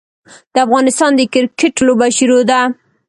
د افغانستان د کرکیټ لوبه شروع ده.